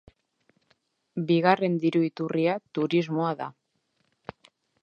Bigarren diru iturria turismoa da.